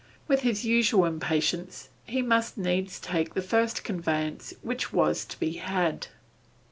With his usual impatience, he must needs take the first conveyance which was to be had.